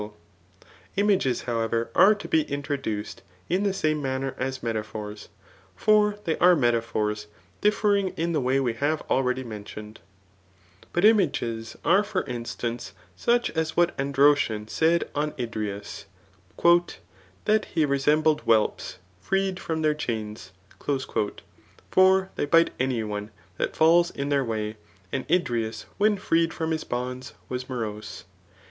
Sl7 Images, however, are to be introduced in the aame mamier as metaphors ; for they are metaphors, differing fti the way we hare already mentbned* But images are for instance fuch as what Androdon mid on Idrieusy *^ That he resembled whelps freed from tfaar chains.^ For they bite any one that falls in tbdf Way, and Idrieus when freed from his bonds was morose.